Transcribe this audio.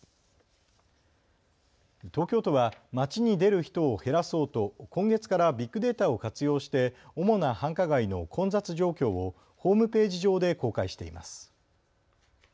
東京都は街に出る人を減らそうと今月からビッグデータを活用して主な繁華街の混雑状況をホームページ上で公開しています。